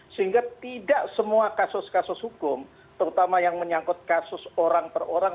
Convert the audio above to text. sehingga tidak semua kasus kasus hukum terutama yang menyangkut kasus orang per orang